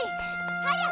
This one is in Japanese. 早く！